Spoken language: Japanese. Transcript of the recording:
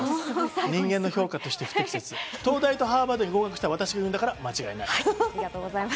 人間の評価として不適切、東大とハーバードに合格した私が言うんだから間違いないです。